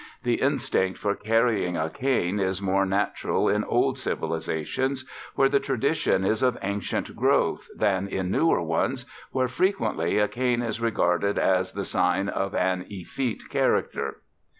The instinct for carrying a cane is more natural in old civilisations, where the tradition is of ancient growth, than in newer ones, where frequently a cane is regarded as the sign of an effete character.